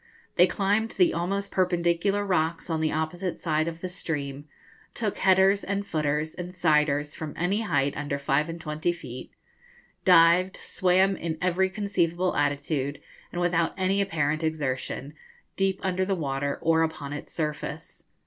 They climbed the almost perpendicular rocks on the opposite side of the stream, took headers, and footers, and siders from any height under five and twenty feet, dived, swam in every conceivable attitude, and without any apparent exertion, deep under the water, or upon its surface.